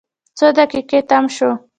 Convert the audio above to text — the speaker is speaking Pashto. څو دقیقې تم شوو.